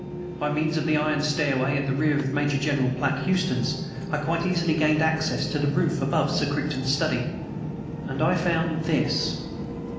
By means of the iron stairway at the rear of Major General Platt Houston's, I quite easily, gained access to the roof above Sir Crichton's study and I found this."